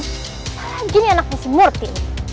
apalagi nih anaknya si murti